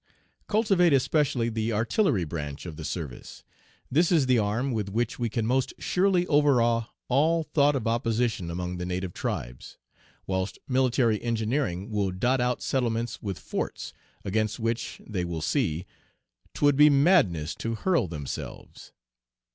Cultivate especially the artillery branch of the service; this is the arm with which we can most surely overawe all thought of opposition among the native tribes; whilst military engineering will dot out settlements with forts, against which, they will see, 'twould be madness to hurl themselves.